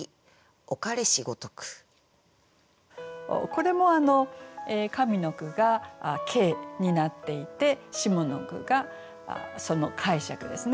これも上の句が「景」になっていて下の句がその解釈ですね。